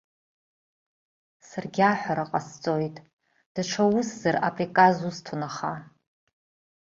Саргьы аҳәара ҟасҵоит, даҽа усзар апрказ усҭон аха.